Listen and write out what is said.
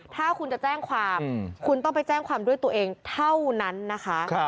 ถ้าคุณจะแจ้งความคุณต้องไปแจ้งความด้วยตัวเองเท่านั้นนะคะ